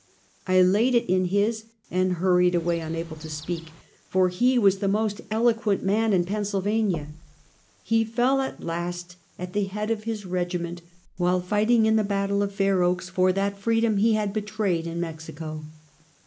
I laid it in his, and hurried away, unable to speak, for he was the most eloquent man in Pennsylvania. He fell at last at the head of his regiment, while fight ing in the battle of Fair Oaks, for that freedom he had betrayed in Mexico.